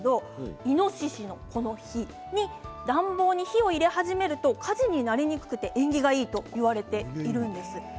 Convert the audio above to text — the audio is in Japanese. イノシシの子の日暖房に火を入れ始めると火事になりにくくて縁起がいいといわれているんです。